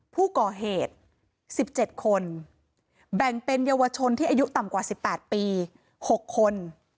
ผู้ก่อเหตุ๑๗คนแบ่งเป็นเยาวชนที่อายุต่ำกว่า๑๘ปี๖คน